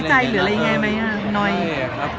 น้อยใจหรืออะไรยังไงมั้ย